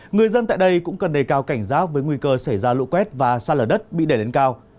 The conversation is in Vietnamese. người dân tại đây cũng cần đầy cao cảnh giác với nguy cơ xảy ra lũ quét và xa lở đất bị đẩy lên cao